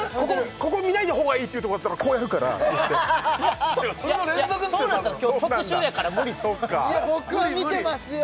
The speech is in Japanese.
ここ見ない方がいいっていうとこあったらこうやるから言ってそれの連続っすよ多分いや今日特集やから無理そっかいや僕は見てますよ